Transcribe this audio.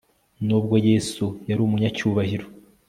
Nubgo Yesu yarumunyacyubahiro